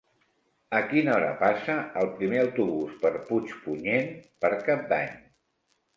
A quina hora passa el primer autobús per Puigpunyent per Cap d'Any?